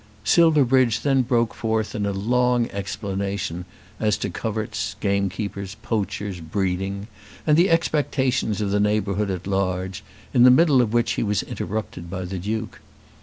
Silverbridge then broke forth into a long explanation as to coverts, gamekeepers, poachers, breeding, and the expectations of the neighbourhood at large, in the middle of which he was interrupted by the Duke.